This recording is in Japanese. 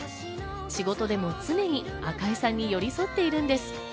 仕事でも常に赤井さんに寄り添っているんです。